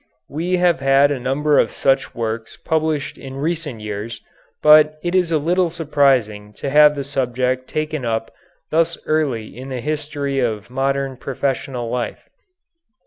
We have had a number of such works published in recent years, but it is a little surprising to have the subject taken up thus early in the history of modern professional life.